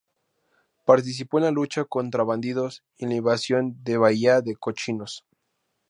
Participó en La lucha contra Bandidos y en la Invasión de Bahía de Cochinos.